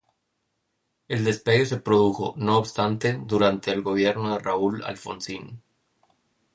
El despegue se produjo, no obstante, durante el gobierno de Raúl Alfonsín.